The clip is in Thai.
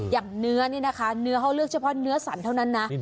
อย่างเนื้อนี่นะคะเนื้อเขาเลือกเฉพาะเนื้อสันเท่านั้นนะ